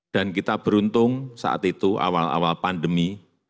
dan kita beruntung saat itu awal awal pandemi